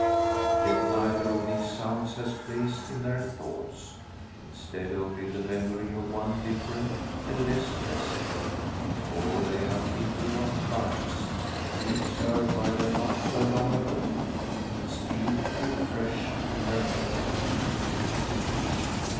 Yet neither of these sounds has place in their thoughts; instead, only the memory of one different and less pleasant. For they are thinking of cries shrieks heard by them not so long ago, and still too fresh in their memory.